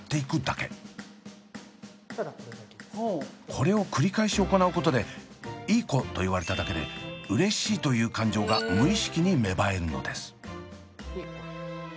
これを繰り返し行うことで「いい子」と言われただけでうれしいという感情が無意識に芽生えるのです。